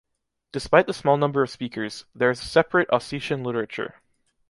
Despite the small number of speakers, there is a separate Ossetian literature.